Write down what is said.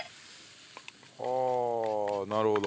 はあなるほど。